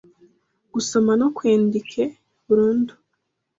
gusome no kwendike burundu,